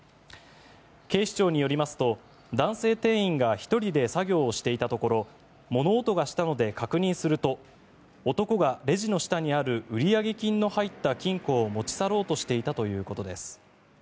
警視庁によりますと、男性店員が１人で作業をしていたところ物音がしたので確認すると男がレジの下にある売上金の入った金庫を持ち去ろうとしていたということです。